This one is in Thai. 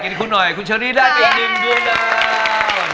ขอบคุณหน่อยคุณเชอรี่ได้เป็นหนึ่งดูแล้ว